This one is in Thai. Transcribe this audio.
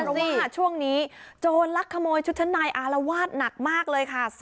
เพราะว่าช่วงนี้โจรลักขโมยชุดชั้นในอารวาสหนักมากเลยค่ะ